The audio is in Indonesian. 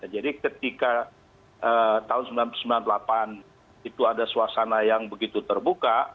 ketika tahun seribu sembilan ratus sembilan puluh delapan itu ada suasana yang begitu terbuka